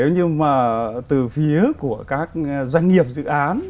nếu như mà từ phía của các doanh nghiệp dự án